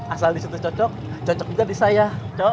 asal di situ cocok cocok juga di saya cok